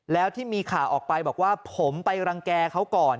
แล้วที่มีข่าวออกไปบอกว่าผมไปรังแก่เขาก่อน